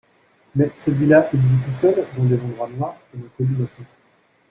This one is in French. Mais celui-là, il vit tout seul, dans des endroits noirs, comme un colimaçon !…